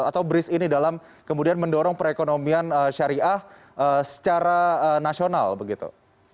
atau bris ini dalam kemudian mendorong perekonomian syariah secara nasional begitu